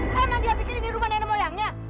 emang dia pikir ini rumah nenek moyangnya